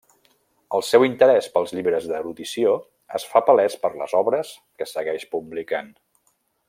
El seu interès pels llibres d'erudició es fa palès per les obres que segueix publicant.